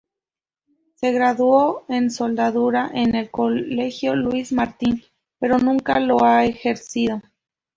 Se graduó en Soldadura en el Colegio Luis Martin, pero nunca lo ha ejercido.